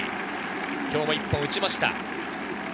今日も１本打ちました。